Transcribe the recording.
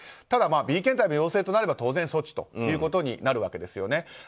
ただ、Ｂ検体も陽性となれば当然、措置ということになるんですよね。